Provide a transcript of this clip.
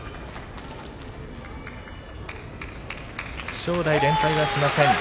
正代、連敗はしません。